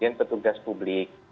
dan petugas publik